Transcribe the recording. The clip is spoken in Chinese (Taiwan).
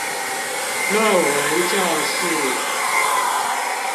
論文教室